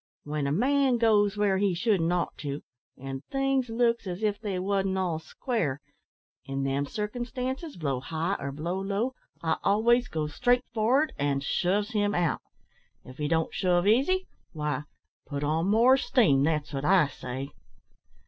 When a man goes where he shouldn't ought to, an' things looks as if they wasn't all square, in them circumstances, blow high or blow low, I always goes straight for'ard an' shoves him out. If he don't shove easy, why, put on more steam that's wot I say."